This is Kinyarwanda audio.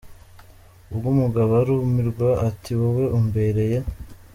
Ubwo umugabo arumirwa ati wowe umbereye.